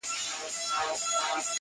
د اور ورين باران لمبو ته چي پناه راوړې!